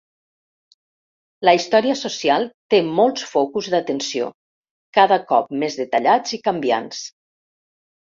La història social té molts focus d'atenció, cada cop més detallats i canviants.